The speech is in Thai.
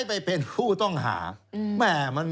ไปเป็นผู้ต้องหา